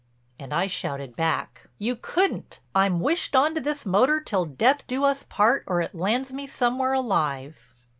And I shouted back: "You couldn't. I'm wished on to this motor till death do us part or it lands me somewhere alive."